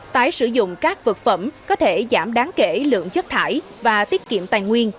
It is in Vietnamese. tái sử dụng các vật phẩm có thể giảm đáng kể lượng chất thải và tiết kiệm tài nguyên